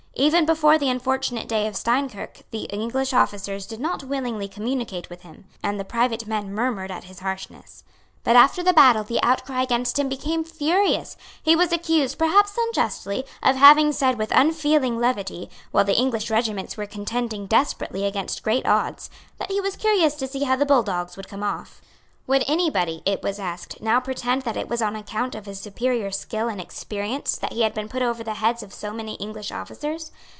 Even before the unfortunate day of Steinkirk the English officers did not willingly communicate with him, and the private men murmured at his harshness. But after the battle the outcry against him became furious. He was accused, perhaps unjustly, of having said with unfeeling levity, while the English regiments were contending desperately against great odds, that he was curious to see how the bulldogs would come off. Would any body, it was asked, now pretend that it was on account of his superior skill and experience that he had been put over the heads of so many English officers?